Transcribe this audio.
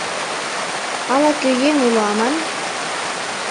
Ала-кӧ еҥ уло аман?